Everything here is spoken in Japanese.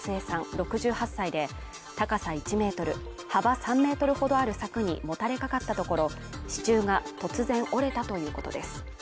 ６８歳で高さ１ｍ、幅３ｍほどある柵にもたれかかったところ、支柱が突然折れたということです。